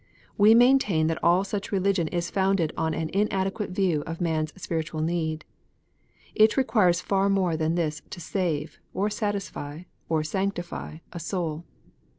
We maintain that all such religion is founded on an inadequate view of man s spiritual need. It requires far more than this to save, or satisfy, or sanctify, a soul.